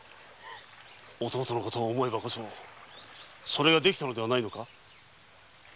弟のことを思えばこそそれができたのではないのか。